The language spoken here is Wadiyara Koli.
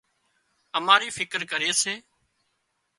اماري فڪر ڪري سي